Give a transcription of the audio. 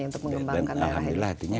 untuk mengembangkan daerah ini